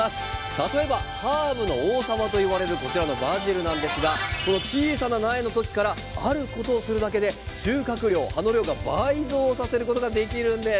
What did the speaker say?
例えばハーブの王様といわれるこちらのバジル小さな苗の時からあることをするだけで収穫量葉っぱの量を倍増させることができるんです。